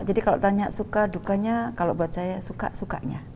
jadi kalau tanya suka dukanya kalau buat saya suka sukanya